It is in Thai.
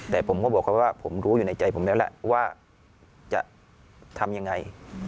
แต่ผมก็บอกเขาว่าผมรู้อยู่ในใจผมแล้วแหละว่าจะทำยังไง